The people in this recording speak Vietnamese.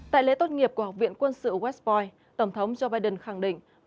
tại lễ tốt nghiệp của học viện quân sự westppote tổng thống joe biden khẳng định